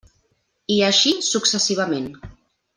I així successivament.